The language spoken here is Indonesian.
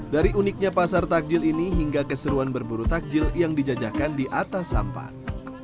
dari uniknya pasar takjil ini hingga keseruan berburu takjil yang dijajakan di atas sampan